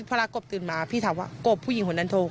พี่พระราชกบตื่นมาพี่ถามว่ากบผู้หญิงคนนั้นโทรคือใคร